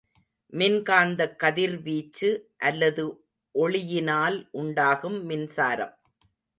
மின்காந்தக் கதிர்வீச்சு அல்லது ஒளியினால் உண்டாகும் மின்சாரம்.